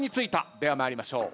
では参りましょう。